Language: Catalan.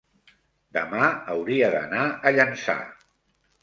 demà hauria d'anar a Llançà.